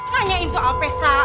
nanyain soal pesta